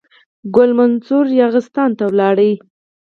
ګل منصور یاغستان ته ولاړ.